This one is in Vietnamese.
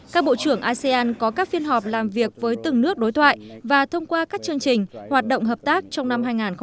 các bộ trưởng asean có các phiên họp làm việc với từng nước đối thoại và thông qua các chương trình hoạt động hợp tác trong năm hai nghìn hai mươi